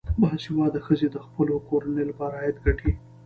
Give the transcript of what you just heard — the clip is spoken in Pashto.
باسواده ښځې د خپلو کورنیو لپاره عاید ګټي.